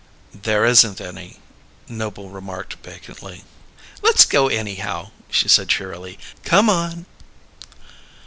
"There isn't any," Noble remarked vacantly. "Let's go, anyhow," she said cheerily. "Come on."